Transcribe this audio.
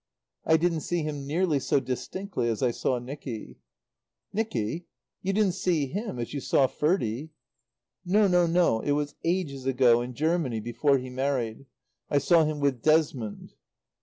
"I didn't see him nearly so distinctly as I saw Nicky " "Nicky? You didn't see him as you saw Ferdie?" "No, no, no! it was ages ago in Germany before he married. I saw him with Desmond."